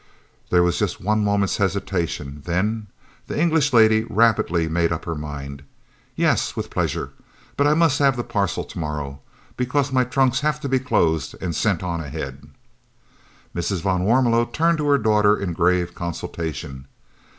There was just one moment's hesitation, then "the English lady rapidly made up her mind." "Yes, with pleasure, but I must have the parcel to morrow, because my trunks have to be closed and sent on ahead." Mrs. van Warmelo turned to her daughter in grave consultation.